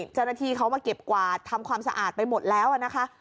เจ้าหน้าที่เขามาเก็บกวาดทำความสะอาดไปหมดแล้วนะคะ